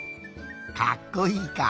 かっこいいか。